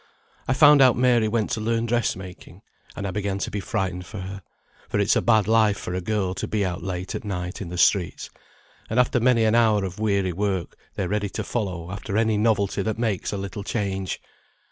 I found out Mary went to learn dress making, and I began to be frightened for her; for it's a bad life for a girl to be out late at night in the streets, and after many an hour of weary work, they're ready to follow after any novelty that makes a little change.